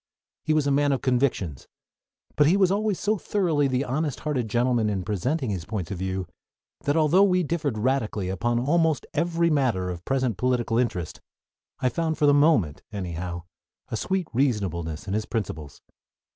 He was a man of convictions; but he was always so thoroughly the honest hearted gentleman in presenting his points of view that, although we differed radically upon almost every matter of present political interest, I found for the moment, anyhow, a sweet reasonableness in his principles.